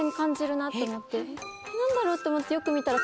何だろうって思ってよく見たら。